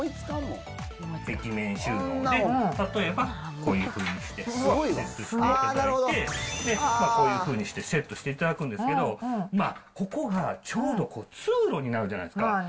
壁面収納で、例えばこういうふうにしてさしていただいて、こういうふうにしてセットしていただくんですけど、まあ、ここがちょうど通路になるじゃないですか。